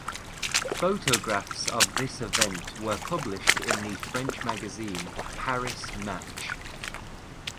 Photographs of this event were published in the French magazine "Paris Match".